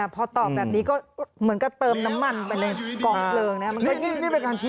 พอตอบแบบนี้ก็เหมือนกับเติมน้ำมันไปในกองเพลิงนะครับ